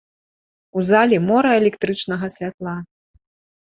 У залі мора электрычнага святла.